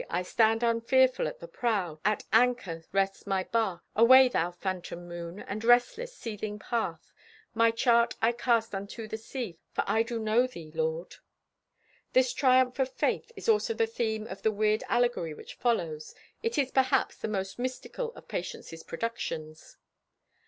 I stand unfearful at the prow. At anchor rests my barque. Away, thou phantom Moon, And restless, seething path! My chart I cast unto the sea, For I do know Thee, Lord! This triumph of faith is also the theme of the weird allegory which follows. It is, perhaps, the most mystical of Patience's productions.